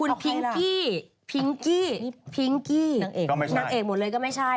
นางเอกหมดเลยก็ไม่ใช่